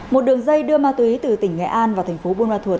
một đường dây đưa ma túy từ tỉnh nghệ an vào tp buôn ma thuột